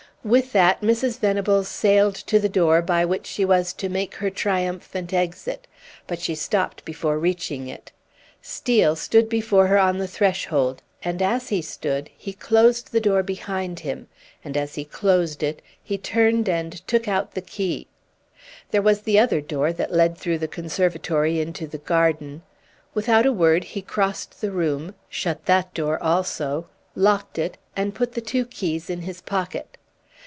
With that Mrs. Venables sailed to the door by which she was to make her triumphant exit, but she stopped before reaching it. Steel stood before her on the threshold, and as he stood he closed the door behind him, and as he closed it he turned and took out the key. There was the other door that led through the conservatory into the garden. Without a word he crossed the room, shut that door also, locked it, and put the two keys in his pocket.